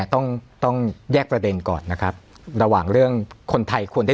ต้องต้องแยกประเด็นก่อนนะครับระหว่างเรื่องคนไทยควรจะ